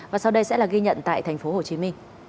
và sau đây sẽ là ghi nhận tại tp hcm